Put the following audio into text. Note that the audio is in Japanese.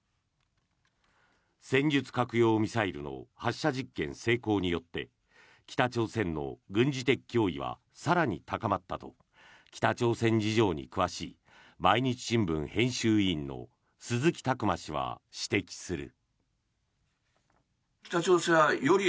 戦術核用ミサイルの発射実験成功によって北朝鮮の軍事的脅威は更に高まったと北朝鮮事情に詳しい毎日新聞編集委員の鈴木琢磨氏は指摘する。